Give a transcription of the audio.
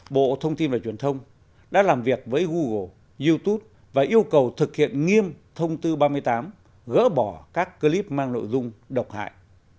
bộ thông tin và truyền thông đã làm việc với google youtube và yêu cầu thực hiện nghiêm thông tư ba mươi tám gỡ bỏ các clip mang nội dung độc hại